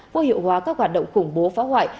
vô hiệu hóa các hoạt động khủng bố phá hoại